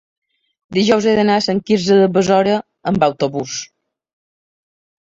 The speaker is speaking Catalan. dijous he d'anar a Sant Quirze de Besora amb autobús.